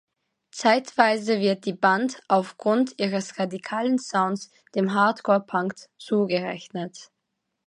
Zeitweise wird die Band aufgrund ihres radikalen Sounds dem Hardcore Punk zugerechnet.